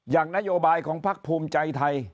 อย่างนโยบายของพักภูมิใจไทย